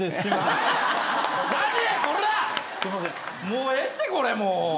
もうええってこれ。